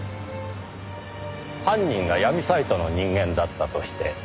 犯人が闇サイトの人間だったとして。